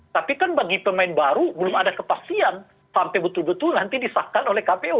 tapi kan bagi pemain baru belum ada kepastian sampai betul betul nanti disahkan oleh kpu